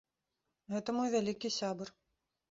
Гэта мой вялікі сябар.